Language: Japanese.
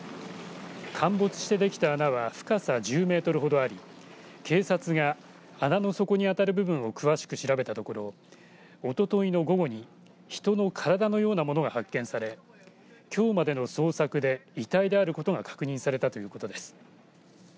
陥没してできた穴は深さ１０メートルほどあり警察が穴の底に当たる部分を詳しく調べたところおとといの午後に人の体のようなものが発見されきょうまでの捜索で遺体であることが確認されたということです。